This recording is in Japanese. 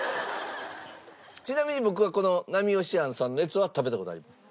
ちなみに僕はこの浪芳庵さんのやつは食べた事があります。